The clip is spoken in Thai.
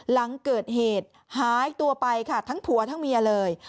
หลังเกิดเหตุหายตัวไปค่ะทั้งผัวทั้งเมียเลย